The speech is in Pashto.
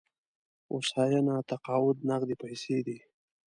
هوساینه تقاعد نغدې پيسې دي.